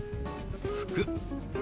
「服」。